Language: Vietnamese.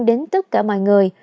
đến tất cả mọi người